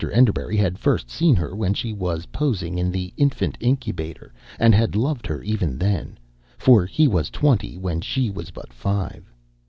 Enderbury had first seen her when she was posing in the infant incubator, and had loved her even then, for he was twenty when she was but five.